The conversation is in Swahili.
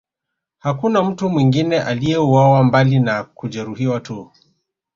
Hakuna mtu mwingine aliyeuawa mbali na kujeruhiwa tu